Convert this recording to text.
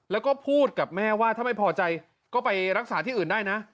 แล้วก็พูดกับแม่ว่าถ้าไม่พอใจก็ไปรักษาที่อื่นได้นะ